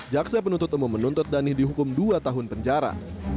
jaksa penuntut memenuntut dhani dihukum dua tahun penjara